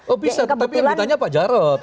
oh bisa tapi yang ditanya pak jarod